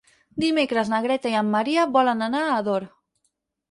Dimecres na Greta i en Maria volen anar a Ador.